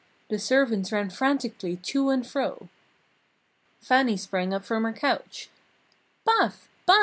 The servants ran frantically to and fro. Fannie sprang up from her couch. "_Paf! Paf!